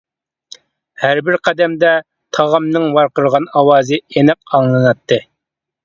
ھەر بىر قەدەمدە تاغامنىڭ ۋارقىرىغان ئاۋازى ئېنىق ئاڭلىناتتى.